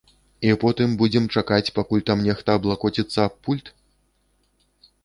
І потым будзем чакаць, пакуль там нехта аблакоціцца аб пульт?